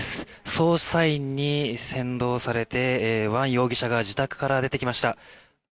捜査員に先導されてワン容疑者が自宅から出てきました。